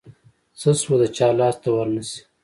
څه شوه د چا لاس ته ورنشي.